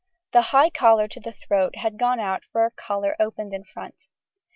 ] The high collar to the throat had gone out for a collar opened in front.